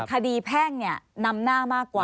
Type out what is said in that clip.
คดีแพ่งเนี่ยน้ำหน้ามากกว่า